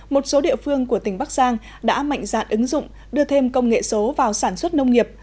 một số địa phương của tỉnh bắc giang đã mạnh dạn ứng dụng đưa thêm công nghệ số vào sản xuất nông nghiệp